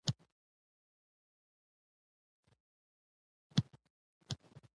خور او ورور